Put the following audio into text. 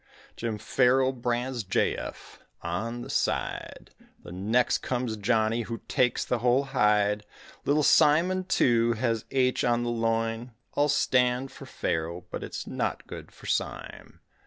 Jim Farrow brands J.F. on the side; The next comes Johnnie who takes the whole hide; Little Simon, too has H. on the loin; All stand for Farrow but it's not good for Sime.